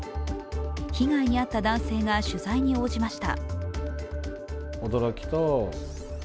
被害に遭った男性が取材に応じました。